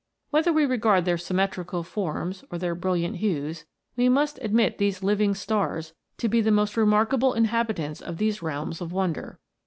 Whether we regard their symmetrical forms or their brilliant hues, we must admit these living stars to be the most remarkable inhabitants of these realms of wonder.